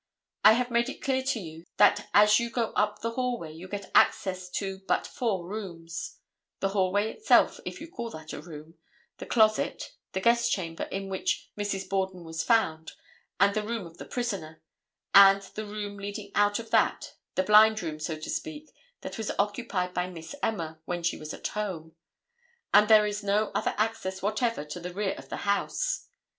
I have made it clear to you that as you go up the hallway you get access to but four rooms, the hallway itself, if you call that a room, the closet, the guest chamber in which Mrs. Borden was found, and the room of the prisoner and the room leading out of that, the blind room, so to speak, that was occupied by Miss Emma when she was at home, and there is no other access whatever to the rear of the house.